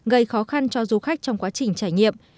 gây khó khăn cho du khách trong quá trình trải nghiệm